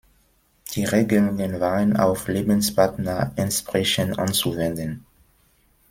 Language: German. Die Regelungen waren auf Lebenspartner entsprechend anzuwenden.